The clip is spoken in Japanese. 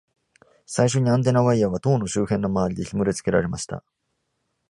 最初に、アンテナ・ワイヤーは塔の周辺のまわりでひもでつけられました。